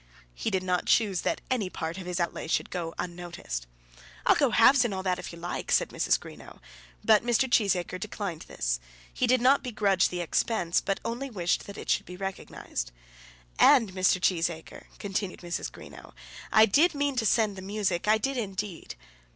He did not choose that any part of his outlay should go unnoticed. "I'll go halves in all that if you like," said Mrs. Greenow. But Mr. Cheesacre had declined this. He did not begrudge the expense, but only wished that it should be recognised. "And, Mr. Cheesacre," continued Mrs. Greenow. "I did mean to send the music; I did, indeed."